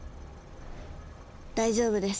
大丈夫です。